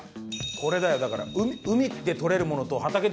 これだよだから。